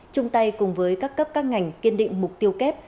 chung tay cùng với các cấp các ngành kiên định mục tiêu kép